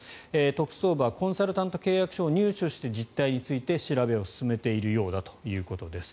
特捜部はコンサルタント契約書を入手して実態について調べを進めているようだということです。